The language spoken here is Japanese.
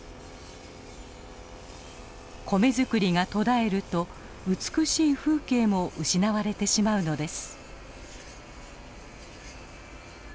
米作りが途絶えると美しい風景も失われてしまうのです。